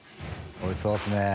おいしそうですね。